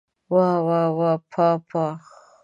واه واه واه پاه پاه!